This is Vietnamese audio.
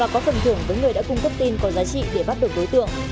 có phần thưởng với người đã cung cấp tin có giá trị để bắt được đối tượng